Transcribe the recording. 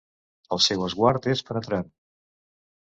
El seu esguard és penetrant.